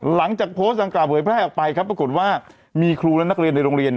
หลังจากโพสต์ดังกล่าเผยแพร่ออกไปครับปรากฏว่ามีครูและนักเรียนในโรงเรียน